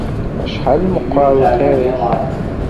Acḥal meqqer lxir-ik.